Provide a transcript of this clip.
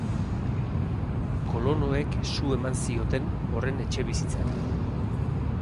Kolonoek su eman zioten horren etxebizitzari.